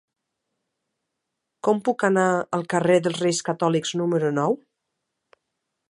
Com puc anar al carrer dels Reis Catòlics número nou?